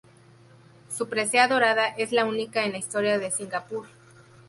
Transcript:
Su presea dorada es la única en la historia de Singapur.